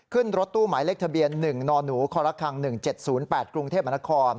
ขึ้นรถตู้หมายเลขทะเบียน๑นหนูครค๑๗๐๘กรุงเทพมนคร